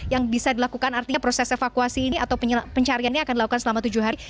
yang bisa dilakukan artinya proses evakuasi ini atau pencariannya akan dilakukan selama tujuh hari